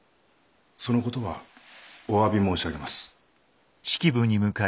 その事はおわび申し上げます。